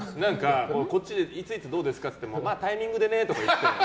こっちでいついつどうですかって言ってもタイミングでねとか言って。